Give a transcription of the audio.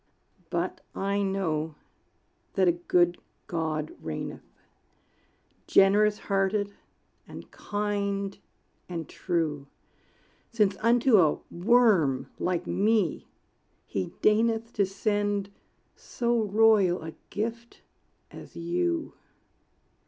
But I know that a good God reigneth, Generous hearted and kind and true; Since unto a worm like me he deigneth To send so royal a gift as you.